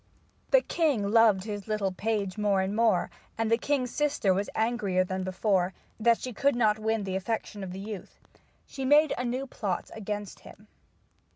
The king loved his little page more and more, and the king's sister was angrier than before that she could not win the affection of the youth. She made a new plot against him.